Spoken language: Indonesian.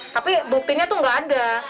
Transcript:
tapi buktinya itu nggak ada